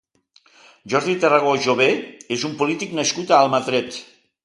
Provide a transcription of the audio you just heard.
Jordi Tarragó Jové és un polític nascut a Almatret.